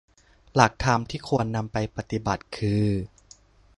หลักธรรมที่ควรนำไปปฏิบัติคือ